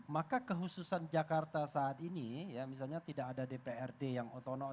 maka kehususan jakarta saat ini ya misalnya tidak ada dprd yang otonom